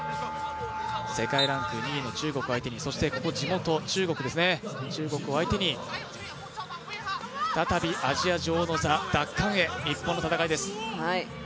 世界ランク２位の中国相手に、そしてここ地元、中国を相手に再びアジア女王の座奪還へ、日本の戦いです。